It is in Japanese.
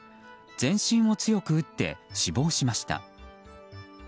全身を強く打って死亡しました。